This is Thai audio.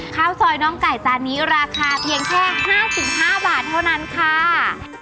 ข้าวซอยน้องไก่จานนี้ราคาเพียงแค่๕๕บาทเท่านั้นค่ะ